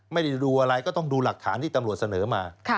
ไม่ได้ดูอะไรก็ต้องดูหลักฐานที่ตำรวจเสนอมา